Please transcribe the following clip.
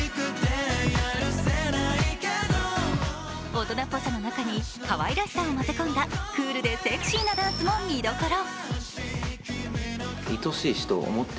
大人っぽさの中にかわいらしさを混ぜ込んだクールでセクシーなダンスも見どころ。